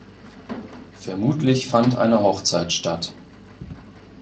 Vermutlich fand eine Hochzeit statt.